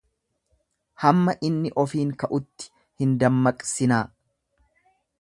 hamma inni ofiin ka'utti hin dammaqsinaa!